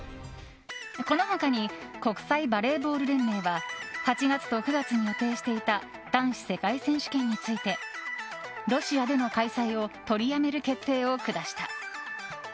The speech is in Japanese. この他に国際バレーボール連盟は８月と９月に予定していた男子世界選手権についてロシアでの開催を取りやめる決定を下した。